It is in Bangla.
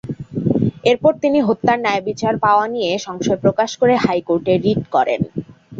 এরপর তিনি হত্যার ন্যায়বিচার পাওয়া নিয়ে সংশয় প্রকাশ করে হাইকোর্টে রিট করেন।